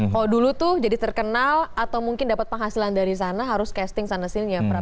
kalau dulu tuh jadi terkenal atau mungkin dapat penghasilan dari sana harus casting sana sini ya